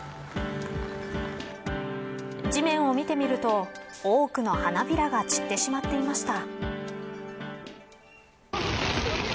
地面を見てみると多くの花びらが散ってしまっていました。